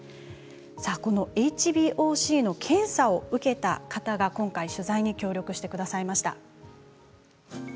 このＨＢＯＣの検査を受けた方が今回、取材に協力してくださいました。